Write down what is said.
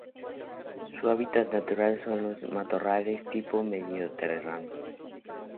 Su hábitat natural son los matorrales tipo Mediterráneo.